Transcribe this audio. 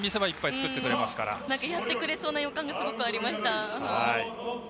やってくれそうな予感がすごくありました。